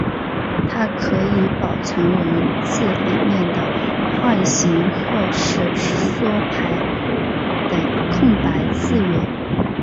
它可以保存文字里面的换行或是缩排等空白字元。